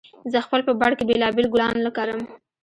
زه خپل په بڼ کې بېلابېل ګلان کرم